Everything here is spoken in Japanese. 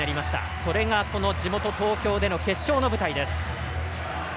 それがこの地元・東京での決勝の舞台です。